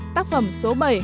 tác phẩm số bảy